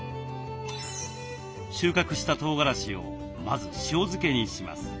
収穫したとうがらしをまず塩漬けにします。